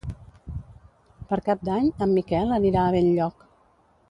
Per Cap d'Any en Miquel anirà a Benlloc.